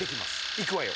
いくわよ。